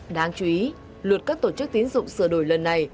đáng chú ý luật các tổ chức tiến dụng sửa đổi lần này